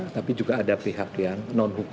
tapi juga ada pihak yang non hukum